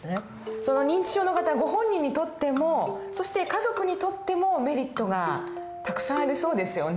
その認知症の方ご本人にとってもそして家族にとってもメリットがたくさんありそうですよね。